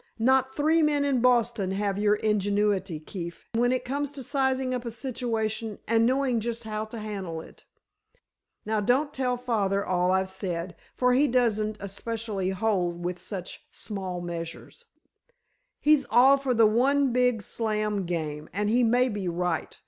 Not three men in Boston have your ingenuity, Keefe, when it comes to sizing up a situation and knowing just how to handle it. Now, don't tell father all I've said, for he doesn't especially hold with such small measures. He's all for the one big slam game, and he may be right.